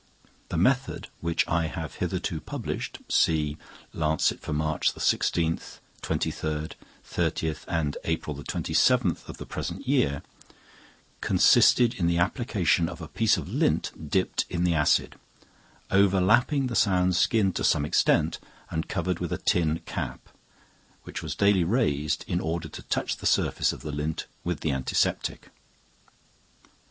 The method which I have hitherto published (see Lancet for Mar. 16th, 23rd, 30th, and April 27th of the present year) consisted in the application of a piece of lint dipped in the acid, overlapping the sound skin to some extent and covered with a tin cap, which was daily raised in order to touch the surface of the lint with the antiseptic.